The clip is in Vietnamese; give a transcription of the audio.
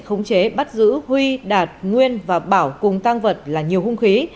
khống chế bắt giữ huy đạt nguyên và bảo cùng tăng vật là nhiều hung khí